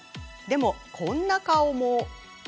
でも、こんな顔も。